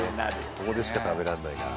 「ここでしか食べられないから」